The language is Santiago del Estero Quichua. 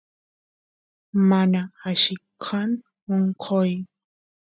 mana alli kan onqoy